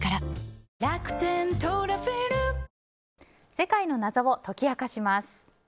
世界の謎を解き明かします。